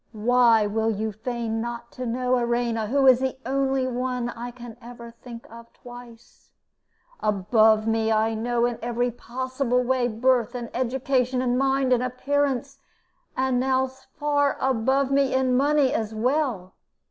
"Why will you feign not to know, Erema, who is the only one I can ever think of twice? Above me, I know, in every possible way birth and education and mind and appearance, and now far above me in money as well.